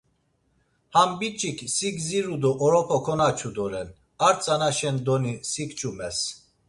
Ham biç̌ik si gdziru do oropa konaçu doren, ar tzanaşendoni si kçumels.